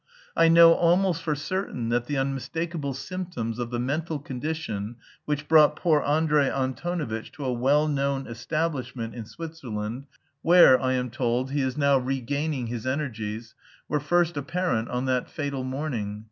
I know almost for certain that the unmistakable symptoms of the mental condition which brought poor Andrey Antonovitch to a well known establishment in Switzerland, where, I am told, he is now regaining his energies, were first apparent on that fatal morning.